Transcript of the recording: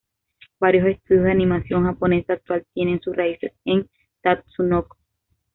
Varios estudios de animación japonesa actual tienen sus raíces en Tatsunoko.